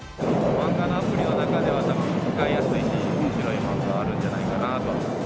漫画のアプリの中ではたぶん、使いやすいし、おもしろい漫画があるんじゃないかな。